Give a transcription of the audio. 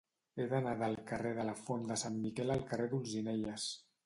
He d'anar del carrer de la Font de Sant Miquel al carrer d'Olzinelles.